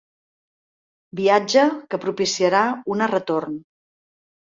Viatge que propiciarà una retorn.